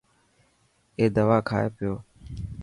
اي دوا کائي پيو.